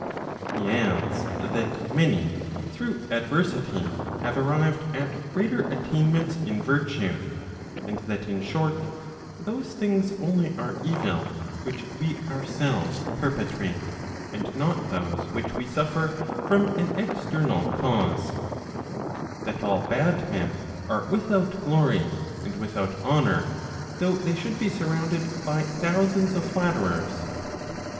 He adds, that many through adversity have arrived at greater attainments in virtue; and that in short, those things only are evil which we ourselves perpetrate, and not those which we suffer [from an external cause]. That all bad men are without glory, and without honour, though they should be surrounded by thousands of flatterers.